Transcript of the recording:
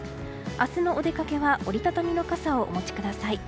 明日のお出掛けは折り畳みの傘をお持ちください。